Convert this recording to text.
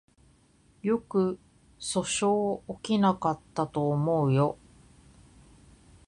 よく訴訟起きなかったと思うよ